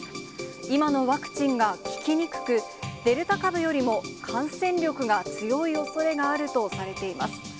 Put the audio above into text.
今のワクチンが効きにくく、デルタ株よりも感染力が強いおそれがあるとされています。